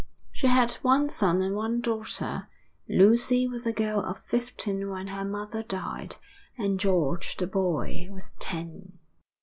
She had one son and one daughter. Lucy was a girl of fifteen when her mother died, and George, the boy, was ten.